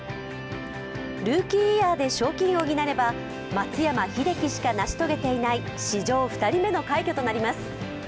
ルーキーイヤーで賞金王になれば松山英樹しか成し遂げていない史上２人目の快挙となります。